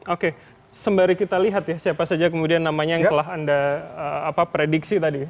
oke sembari kita lihat ya siapa saja kemudian namanya yang telah anda prediksi tadi